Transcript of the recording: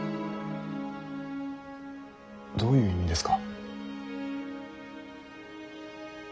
どういう意味ですか。